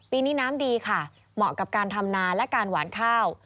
ปีนี้น้ำดีค่ะเหมาะกับการทำนาและการหวานข้าว